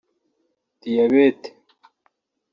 Diyabete